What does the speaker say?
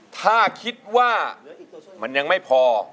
ถ้าคิดว่ามันยังไม่พอ